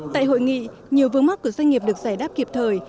tại hội nghị nhiều vướng mắt của doanh nghiệp được giải đáp kịp thời